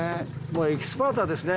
エキスパーターですね